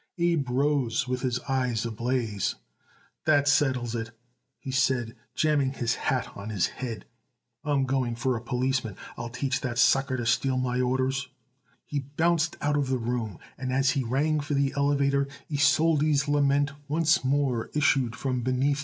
Abe rose with his eyes ablaze. "That settles it," he said, jamming his hat on his head. "I'm going for a policeman. I'll teach that sucker to steal my orders!" He bounced out of the room and, as he rang for the elevator, Isolde's lament once more issued from beneath.